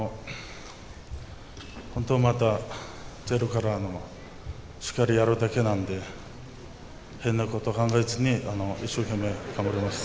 本当にまたゼロからのしっかりやるだけなので変なこと考えずに一生懸命頑張ります。